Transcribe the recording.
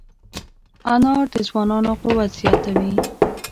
انار د ځوانانو قوت زیاتوي.